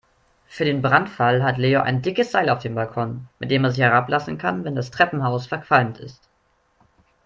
Für den Brandfall hat Leo ein dickes Seil auf dem Balkon, mit dem er sich herablassen kann, wenn das Treppenhaus verqualmt ist.